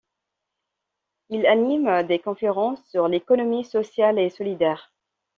Il anime des conférences sur l'économie sociale et solidaire.